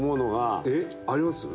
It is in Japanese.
えっ？あります？